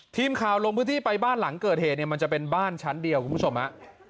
ทีมข่าวลงพื้นที่ไปบ้านหลังเกิดเหตุเนี่ยมันจะเป็นบ้านชั้นเดียวคุณผู้ชมฮะ